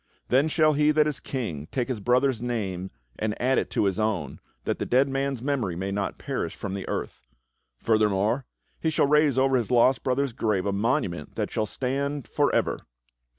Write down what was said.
Then shall he that is King take his brother's name and add it to his own, that the dead man's memory may not perish from the earth. Further more, he shall raise over his lost brother's grave a monument that shall stand forever.